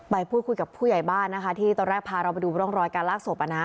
ไปพูดคุยกับผู้ใหญ่บ้านนะคะที่ตอนแรกพาเราไปดูร่องรอยการลากศพ